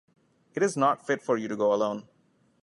It is not fit for you to go alone.